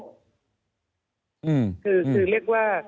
คือเรียกว่า